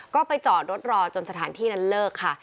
ก็ไปจอดรถรอจนสถานที่นั้นเลิกค่ะ